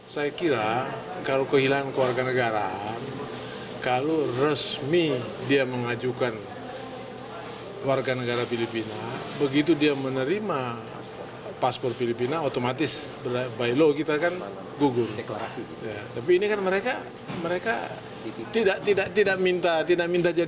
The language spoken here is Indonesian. sehingga keluar paspor filipina